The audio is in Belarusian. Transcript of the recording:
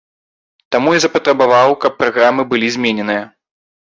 Таму я запатрабаваў, каб праграмы былі змененыя.